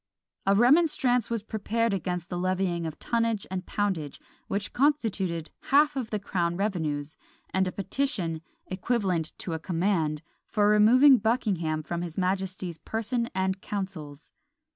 A remonstrance was prepared against the levying of tonnage and poundage, which constituted half of the crown revenues; and a petition, "equivalent to a command," for removing Buckingham from his majesty's person and councils.